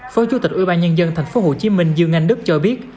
phó chủ tịch ubnd tp hcm dương anh đức cho biết